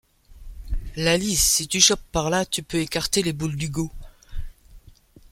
Laly, si tu chopes par là, tu peux écarter les boules d’Hugo. ..